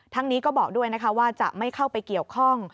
นี้ก็บอกด้วยนะคะว่าจะไม่เข้าไปเกี่ยวข้อง